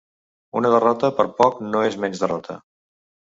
Una derrota per poc no és menys derrota.